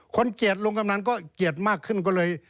เกลียดลุงกำนันก็เกลียดมากขึ้นก็เลย